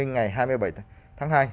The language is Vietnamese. ngày hai mươi bảy tháng hai